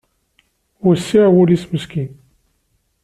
Wessiɛ wul-is meskin